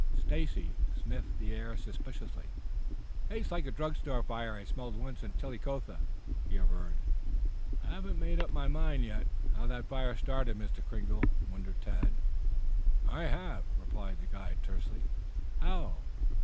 Stacy sniffed the air suspiciously. "Tastes like a drug store fire I smelled once in Chillicothe," he averred. "I haven't made up my mind, yet, how that fire started, Mr. Kringle," wondered Tad. "I have," replied the guide tersely. "How?"